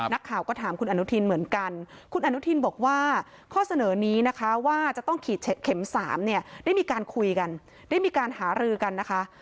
นักข่าวก็ถามคุณอนุทินเหมือนกันคุณอนุทินบอกว่าข้อเสนอนี้นะคะว่าจะต้องฉีดเข็ม๓เนี่ยได้มีการคุยกันได้มีการหารือกันนะคะ